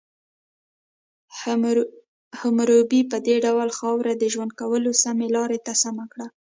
حموربي په دې ډول خاوره د ژوند کولو سمې لارې ته سمه کړه.